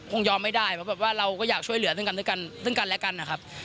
คงยอมไม่ได้เพราะว่าเราก็อยากช่วยเหลือซึ่งกันและกันนะครับ